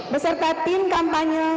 peserta tim kampanye